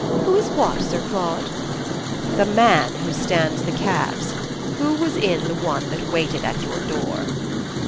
"Who is what, Sir Claude?" "The man who stands the cabs. Who was in the one that waited at your door?"